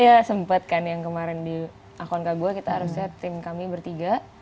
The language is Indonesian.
iya sempat kan yang kemarin di akun kagua kita harusnya tim kami bertiga